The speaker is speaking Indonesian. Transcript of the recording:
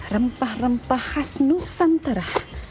rempah rempah khas nusantara